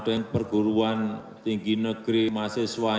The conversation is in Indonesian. ada yang perguruan tinggi negeri mahasiswanya